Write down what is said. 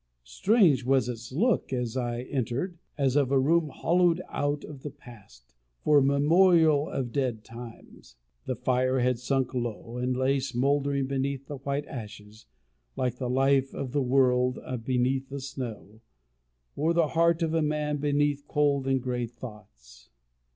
Strange was its look as I entered as of a room hollowed out of the past, for a memorial of dead times. The fire had sunk low, and lay smouldering beneath the white ashes, like the life of the world beneath the snow, or the heart of a man beneath cold and grey thoughts.